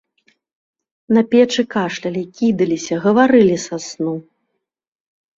На печы кашлялі, кідаліся, гаварылі са сну.